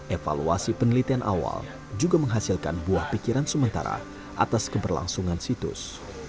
evaluasi penelitian awal juga menghasilkan buah pikiran sementara atas keberlangsungan situs